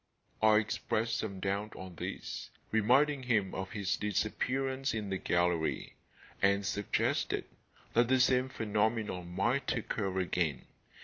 I expressed some doubt on this, reminding him of his disappearance in the gallery, and suggested that the same phenomenon might occur again.